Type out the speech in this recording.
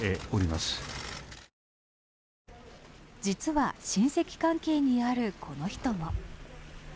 実は親戚関係にあるこの人も。